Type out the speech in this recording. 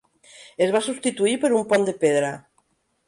Es va substituir per un pont de pedra.